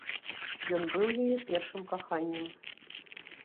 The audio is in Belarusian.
Ён быў яе першым каханнем.